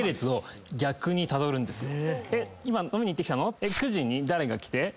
「今飲みに行ってきたの？」